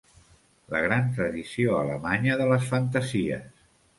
La gran tradició alemanya de les fantasies.